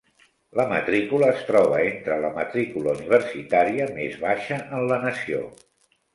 La matrícula es troba entre la matrícula universitària més baixa en la nació.